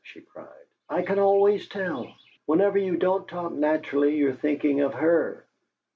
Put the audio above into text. she cried. "I can always tell. Whenever you don't talk naturally you're thinking of her!"